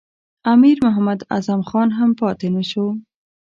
امیر محمد اعظم خان هم پاته نه شو.